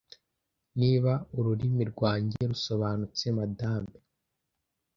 niba ururimi rwanjye rusobanutse madame